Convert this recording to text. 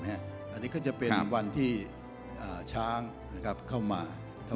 อันนี้ก็จะเป็นวันที่ช้างเข้ามา